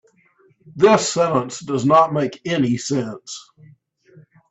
This sentence does not make any sense.